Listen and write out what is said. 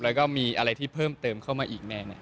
แล้วก็มีอะไรที่เพิ่มเติมเข้ามาอีกแน่หนึ่ง